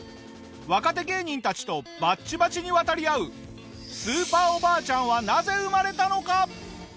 若手芸人たちとバッチバチに渡り合うスーパーおばあちゃんはなぜ生まれたのか？